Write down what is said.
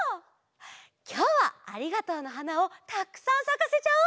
きょうは「ありがとうの花」をたくさんさかせちゃおう！